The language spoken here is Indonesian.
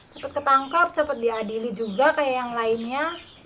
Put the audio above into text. cepat ketangkap cepat diadili juga kayak yang lainnya